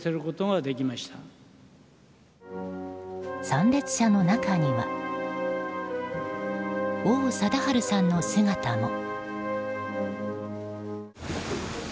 参列者の中には王貞治さんの姿も。